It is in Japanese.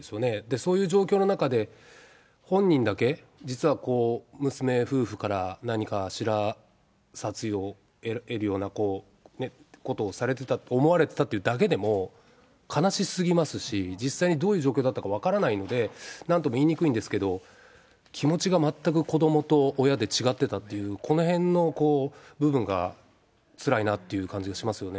そういう状況の中で、本人だけ、実は娘夫婦から何かしら殺意を得るようなことをされてた、思われてたってだけでも悲しすぎますし、実際にどういう状況だったか分からないんで、なんとも言いにくいんですけど、気持ちが全く子どもと親で違ってたっていう、このへんの部分がつらいなって感じがしますよね。